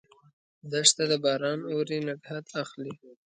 دښته ده ، باران اوري، نګهت اخلي